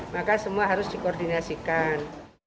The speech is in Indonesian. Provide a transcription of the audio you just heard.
maka semua harus dikoordinasikan